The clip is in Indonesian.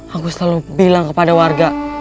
aku selalu bilang kepada warga